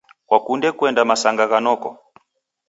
Kwakunde kuenda masanga gha noko?.